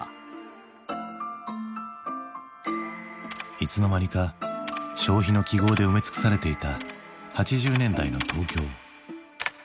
いつの間にか消費の記号で埋め尽くされていた８０年代の東京。